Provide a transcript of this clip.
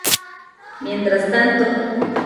Mientras tanto.